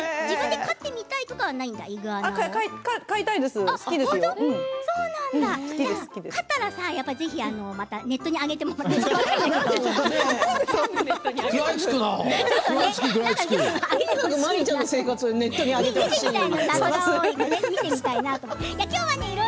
飼ったらネットに上げてもらっていい？